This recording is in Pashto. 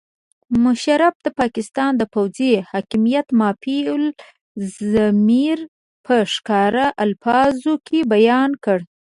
مشرف د پاکستان د پوځي حاکمیت مافي الضمیر په ښکاره الفاظو کې بیان کړ.